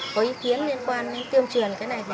có ý kiến liên quan tiêm truyền cái này